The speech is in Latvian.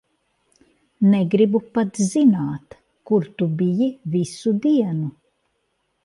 Negribu pat zināt, kur tu biji visu dienu.